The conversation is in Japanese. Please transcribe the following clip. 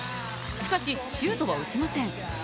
しかし、シュートは打ちません。